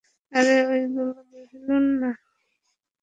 আরে এইগুলা বেলুন না।